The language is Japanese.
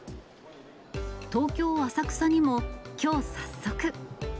東京・浅草にも、きょう、早速。